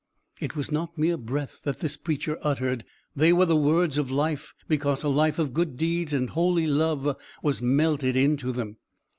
It was not mere breath that this preacher uttered; they were the words of life, because a life of good deeds and holy love was melted into them.